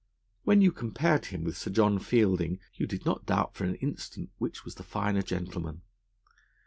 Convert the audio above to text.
When you compared him with Sir John Fielding, you did not doubt for an instant which was the finer gentleman.